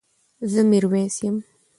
زه ميرويس يم